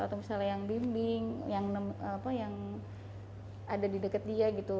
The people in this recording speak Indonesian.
atau misalnya yang bimbing yang ada di dekat dia gitu